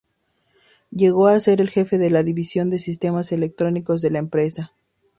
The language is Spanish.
Llegó a ser jefe de la División de Sistemas Electrónicos de la empresa.